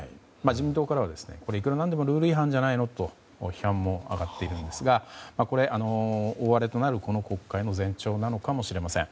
自民党からは、いくら何でもルール違反じゃないの？と批判も上がっているんですが大荒れとなる、この国会の前兆なのかもしれません。